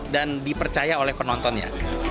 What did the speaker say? dan dipercaya oleh penontonnya